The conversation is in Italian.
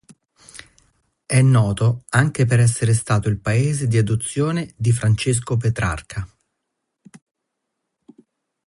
È noto anche per essere stato il paese di adozione di Francesco Petrarca.